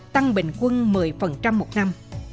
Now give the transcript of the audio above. tăng bình quân một mươi một năm